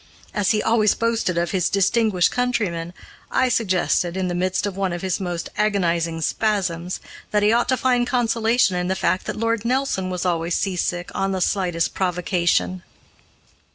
As he always boasted of his distinguished countrymen, I suggested, in the midst of one of his most agonizing spasms, that he ought to find consolation in the fact that Lord Nelson was always seasick on the slightest provocation.